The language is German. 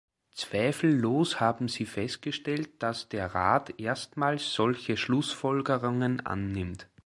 Zweifellos haben Sie festgestellt, dass der Rat erstmals solche Schlussfolgerungen annimmt.